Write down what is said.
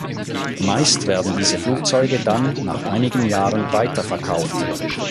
Meist werden diese Flugzeuge dann nach einigen Jahren weiterverkauft.